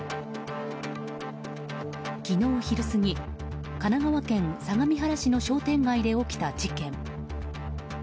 昨日昼過ぎ、神奈川県相模原市の商店街で起きた事件。